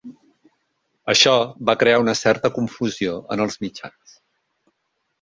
Això va crear una certa confusió en els mitjans.